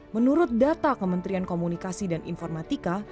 menurut data kementerian komunikasi dan informatika